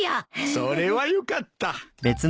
それはよかった。